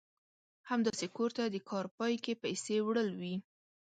همداسې کور ته د کار پای کې پيسې وړل وي.